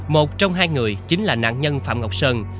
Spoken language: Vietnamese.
một trong hai người chính là nạn nhân phạm ngọc sơn